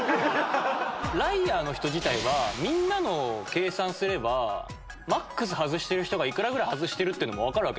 ライアーの人自体はみんなのを計算すればマックス外してる人が幾らぐらい外してるかも分かる。